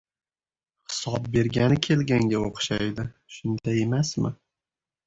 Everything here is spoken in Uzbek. hisob bergani kelganga o‘xshaydi, shunday emasmi?